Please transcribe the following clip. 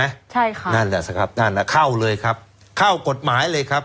ใช่ค่ะนั่นแหละสิครับนั่นน่ะเข้าเลยครับเข้ากฎหมายเลยครับ